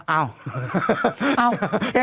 เอ้าเอ้า